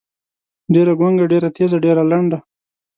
ډېــره ګونګــــــه، ډېــره تېــزه، ډېــره لنډه.